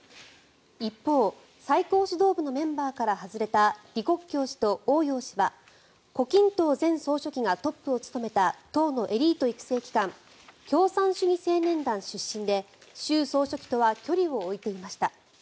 一方、最高指導部のメンバーから外れた李克強氏とオウ・ヨウ氏は胡錦涛前総書記がトップを務めた党のエリート育成機関共産主義青年団出身で習総書記とは距離を置いていました。